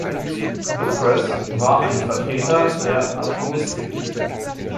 Lukrez war ein Vertreter der Atomistik.